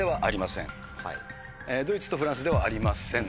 ドイツとフランスではありません。